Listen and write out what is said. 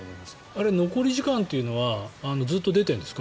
あれ、残り時間というのはずっと出てるんですか？